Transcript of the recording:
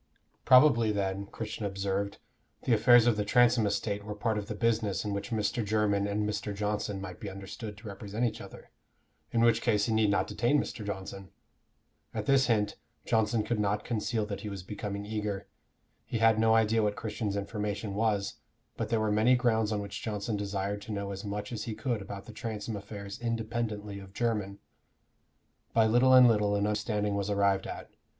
Probably then, Christian observed, the affairs of the Transome estate were part of the business in which Mr. Jermyn and Mr. Johnson might be understood to represent each other, in which case he need not detain Mr. Johnson? At this hint Johnson could not conceal that he was becoming eager. He had no idea what Christian's information was, but there were many grounds on which Johnson desired to know as much as he could about the Transome affairs independently of Jermyn. By little and little an understanding was arrived at.